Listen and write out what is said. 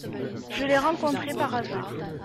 Je l'ai rencontré par hasard …